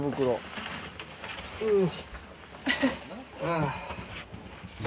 ああ。